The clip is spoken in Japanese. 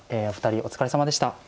お二人お疲れさまでした。